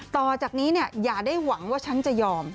ต่อจากนี้อย่าได้หวังว่าฉันจะยอม